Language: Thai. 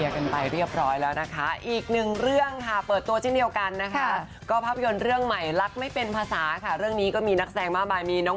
ข่าวข้าวหลุดทุกคนนะคะก็เป็นกำลังใจให้พี่น้ำใส่นะคะ